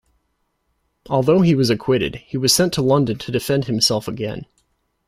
Although he was acquitted, he was sent to London to defend himself again.